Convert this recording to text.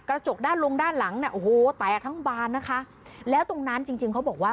กระจกด้านลงด้านหลังเนี่ยโอ้โหแตกทั้งบานนะคะแล้วตรงนั้นจริงจริงเขาบอกว่า